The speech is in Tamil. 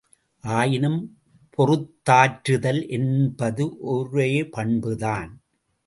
ஆயினும் பொறுத்தாற்றுதல் என்பது ஒரே பண்புதான்.